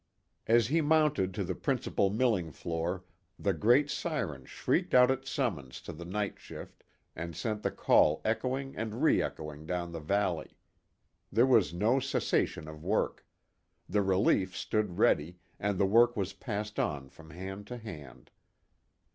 As he mounted to the principal milling floor the great syren shrieked out its summons to the night shift, and sent the call echoing and reëchoing down the valley. There was no cessation of work. The "relief" stood ready, and the work was passed on from hand to hand.